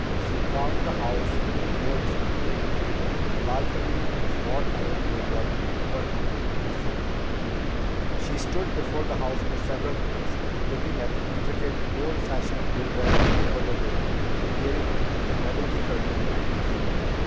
She found the house with no difficulty. A balcony of wrought iron grillwork overhung the front door. She stood before the house for several minutes, looking at the intricate, old fashioned grillwork over the door, peering at the heavily curtained windows.